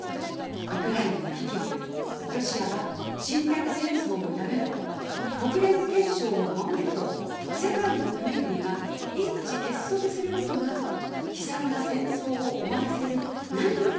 ウクライナの危機も「ロシアは侵略戦争をやめろ」、「国連憲章を守れ」と世界の国々が一致結束することが、悲惨な戦争を終わらせる何よりの力です。